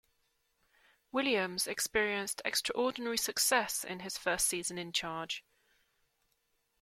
Williams experienced extraordinary success in his first season in charge.